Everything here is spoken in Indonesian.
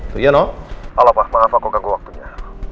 tuh iya noh halo pak maaf aku ganggu waktunya